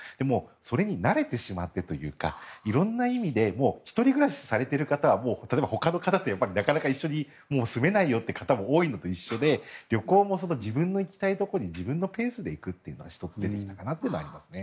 それに慣れてしまってというか色んな意味でもう１人暮らしされている方はほかの方となかなか一緒に住めないよという方も多いのと一緒で旅行も自分の行きたいところに自分のペースで行くというのが１つ出てきたと思いますね。